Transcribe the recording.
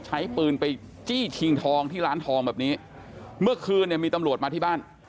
ใช้ปืนไปจี้ชิงทองที่ร้านทองแบบนี้เมื่อคืนเนี่ยมีตำรวจมาที่บ้าน